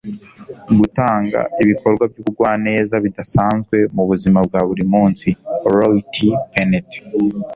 gutanga ibikorwa byubugwaneza bidasanzwe mubuzima bwa buri munsi. - roy t. bennett